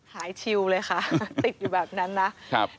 หายชิวเลยค่ะติดอยู่แบบนั้นนะ